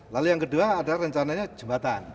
lalu yang kedua ada rencananya jembatan